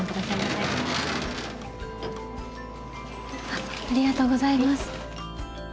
ありがとうございます。